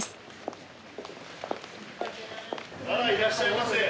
あらいらっしゃいませ。